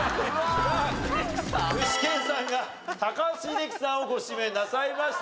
さあ具志堅さんが高橋英樹さんをご指名なさいました。